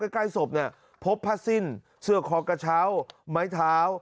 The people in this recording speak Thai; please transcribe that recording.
ใกล้ศพเนี่ยพบผ้าสิ้นเสื้อคอกระเช้าไม้เท้า